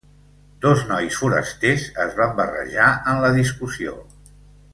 Dos nois forasters es van barrejar en la discussió.